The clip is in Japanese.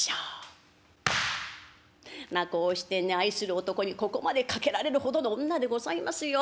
まあこうしてね愛する男にここまでかけられるほどの女でございますよ。